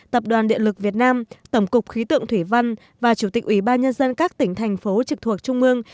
tập đoàn điện lực việt nam tổng cục khí tượng thủy văn và chủ tịch ủy ban nhân dân các tỉnh thành phố trực thuộc trung mương